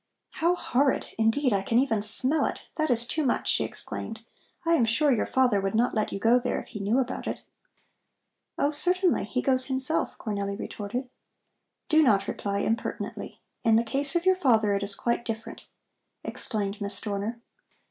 "How horrid! Indeed, I can even smell it. That is too much!" she exclaimed. "I am sure your father would not let you go there if he knew about it." "Oh, certainly; he goes himself," Cornelli retorted. "Do not reply impertinently. In the case of your father it is quite different," explained Miss Dorner.